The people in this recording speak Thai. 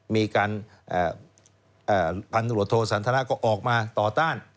มีการพันธุรกิจโทสันทนาก็ออกมาต่อต้าน